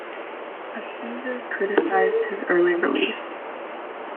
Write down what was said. Accusers criticized his early release.